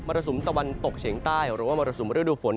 รสุมตะวันตกเฉียงใต้หรือว่ามรสุมฤดูฝน